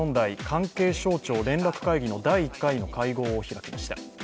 関連省庁連絡会議の第１回の会合を開きました。